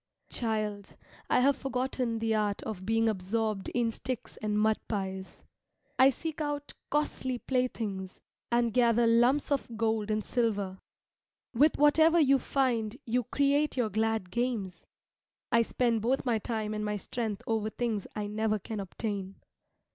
Child, I have forgotten the art of being absorbed in sticks and mud pies. I seek out costly playthings, and gather lumps of gold and silver. With whatever you find you create your glad games, I spend both my time and my strength over things I never can obtain.